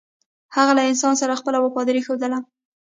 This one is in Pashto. هغه له انسان سره خپله وفاداري ښودله.